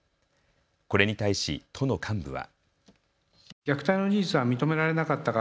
これに対し、都の幹部は。